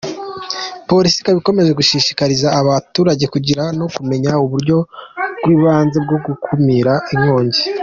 Police ikaba ikomeje gushishikariza abantu kugira no kumenya uburyo bw’ibanze bwo gukumira inkongi.